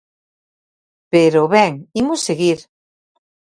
Pero, ben, imos seguir.